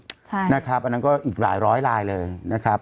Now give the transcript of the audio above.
ใช่นะครับอันนั้นก็อีกหลายร้อยลายเลยนะครับ